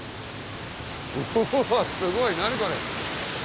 うわすごい何これ。